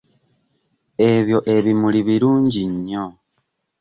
Ebyo ebimuli birungi nnyo.